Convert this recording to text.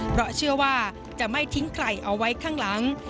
เพราะเชื่อว่าจะไม่ทิ้งใครเอาไว้ข้างหลัง